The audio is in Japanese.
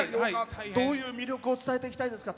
どういう魅力を伝えていきたいですか。